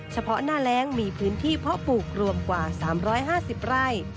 เฉพาะหน้าแรงมีพื้นที่เพาะปลูกรวมกว่า๓๕๐ไร่